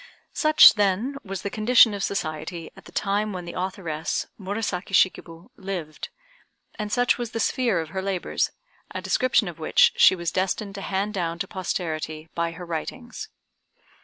Such, then, was the condition of society at the time when the authoress, Murasaki Shikib, lived; and such was the sphere of her labors, a description of which she was destined to hand down to posterity by her writings.